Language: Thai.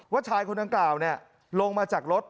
ว่าชายคนนั้นกล่าวเนี่ยลงมาจากรถ